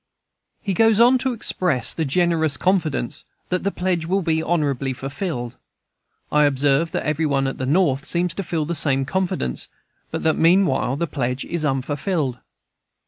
He goes on to express the generous confidence that "the pledge will be honorably fulfilled." I observe that every one at the North seems to feel the same confidence, but that, meanwhile, the pledge is unfulfilled.